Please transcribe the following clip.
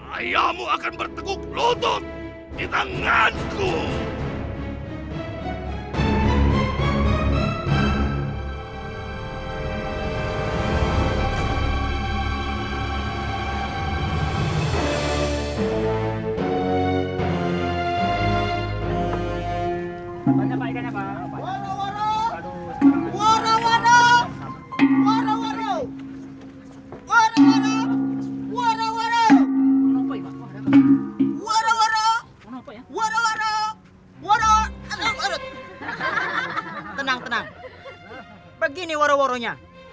ayahmu akan berteguk lutut di tanganku